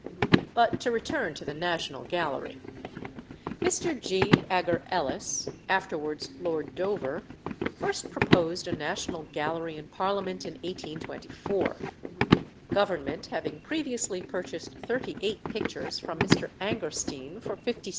But to return to the National Gallery. Mr. G. Agar Ellis, afterwards Lord Dover, first proposed a National Gallery in Parliament in 1824; Government having previously purchased thirty eight pictures from Mr. Angerstein for £57,000.